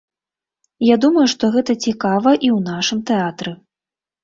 Я думаю, што гэта цікава і ў нашым тэатры.